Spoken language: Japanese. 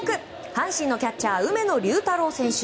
阪神のキャッチャー梅野隆太郎選手。